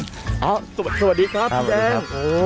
สวัสดีครับพี่แดงโอ้โฮสวัสดีครับสวัสดีครับ